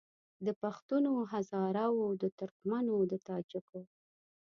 د پښتون او هزاره وو د ترکمنو د تاجکو